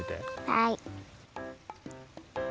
はい！